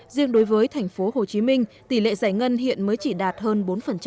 riêng đối với thành phố hồ chí minh tỷ lệ giải ngân hiện mới chỉ đạt hơn bốn